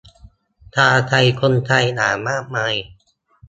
คาใจคนไทยอย่างมากมาย